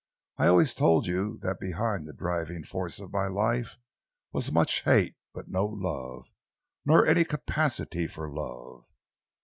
"I always told you that behind the driving force of my life was much hate but no love, nor any capacity for love.